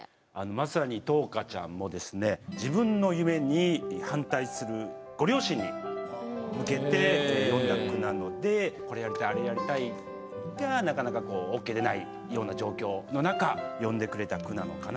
まさに桃花ちゃんもですね自分の夢に反対するご両親に向けて詠んだ句なので「これやりたい」「あれやりたい」がなかなかＯＫ出ないような状況の中詠んでくれた句なのかなと。